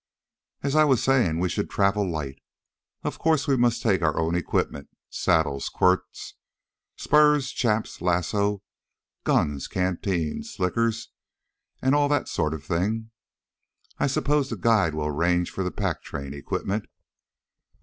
"As I was saying, we should travel light. Of course, we must take our own equipment saddles, quirts, spurs, chaps, lasso, guns, canteen, slicker and all that sort of thing. I suppose the guide will arrange for the pack train equipment."